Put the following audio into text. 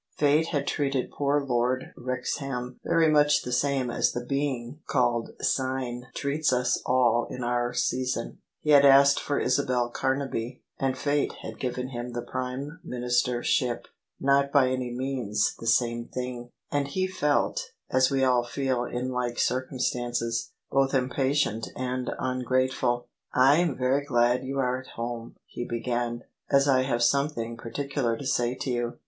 Fate had treated poor Lord Wrexham very much the same as the being [ 274 ] OF ISABEL CARNABY called " Sign " treats us all in our season: he had asked for Isabel Camaby, and Fate had given him the Prime Minister ship— not by any means the same thing: and he felt, as we all feel in like circumstances, both impatient and ungrateful. " I am very glad you are at home," he began, " as I have something particular to say to you.